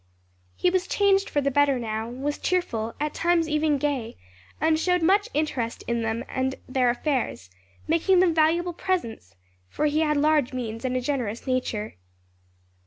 He was changed for the better now; was cheerful, at times even gay, and showed much interest in them and their affairs, making them valuable presents; for he had large means and a generous nature.